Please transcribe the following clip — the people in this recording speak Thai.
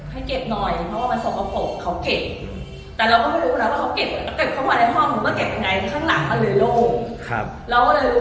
ครับคือโดยว่าโดยโปรดแต่ก็ไม่อยากรู้นะก็เก็บข้างห้องสกกระโผกคือขนาดเลยไม่ลง